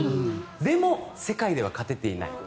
でも世界では勝てていない。